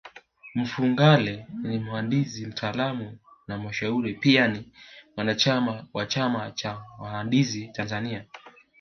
Mfugale ni mhandisi mtaalamu na mshauri Pia ni mwanachama wa chama cha wahandisi Tanzania